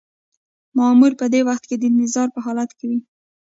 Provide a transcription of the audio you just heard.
مامور په دې وخت کې د انتظار په حالت کې وي.